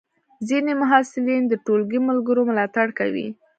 ځینې محصلین د ټولګی ملګرو ملاتړ کوي.